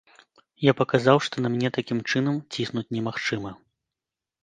Я паказаў, што на мяне такім чынам ціснуць немагчыма.